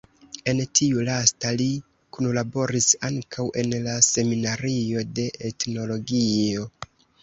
En tiu lasta li kunlaboris ankaŭ en la Seminario de Etnologio.